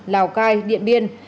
lào cai điện biên